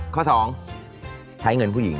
ข้อ๒ใช้เงินผู้หญิง